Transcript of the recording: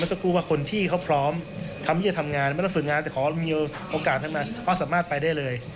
คนกลุ่มนี้ก็ไปก่อนได้เลย